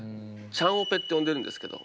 チャンオペって呼んでるんですけど。